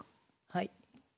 はい。